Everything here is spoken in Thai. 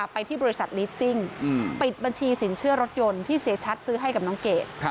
ไปที่บริษัทลิสซิ่งปิดบัญชีสินเชื่อรถยนต์ที่เสียชัดซื้อให้กับน้องเกด